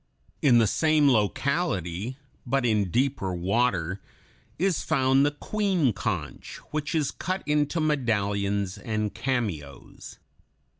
In the same locality, but in deeper water, is found the Queen conch (Fig. 104), which is cut into medallions and cameos.